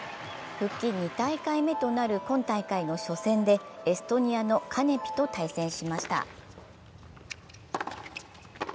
復帰２大会目となる今回の大会の初戦で、エストニアのカネピと対戦しました。